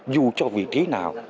dù cho vị trí nào